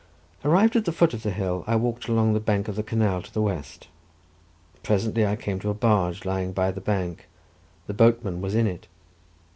Arrived at the foot of the hill, I walked along the bank of the canal to the west. Presently I came to a barge lying by the bank; the boatman was in it.